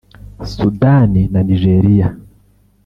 Sudani na Nigeria